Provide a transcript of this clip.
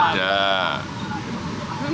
ada di jalak harupat